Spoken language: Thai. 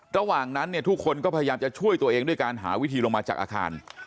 ระหว่างนั้นเนี่ยทุกคนก็พยายามจะช่วยตัวเองด้วยการหาวิธีลงมาจากอาคาร